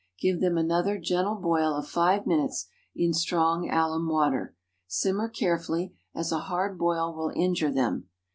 Give them another gentle boil of five minutes in strong alum water. Simmer carefully, as a hard boil will injure them.